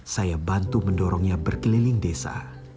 saya bantu mendorongnya berkeliling desa